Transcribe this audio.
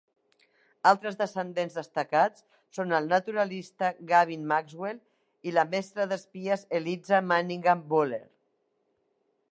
Altres descendents destacats són el naturalista Gavin Maxwell i la mestra d'espies Eliza Manningham-Buller.